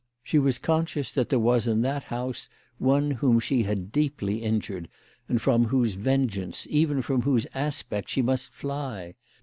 She was con scious that there was in that house one whom she had deeply injured, and from whose vengeance, even from whose aspect, she must fly.